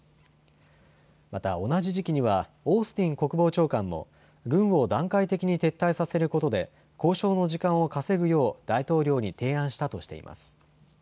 また同じ時期にはオースティン国防長官も軍を段階的に撤退させることで交渉の時間を稼ぐよう大統領に提案したとしています。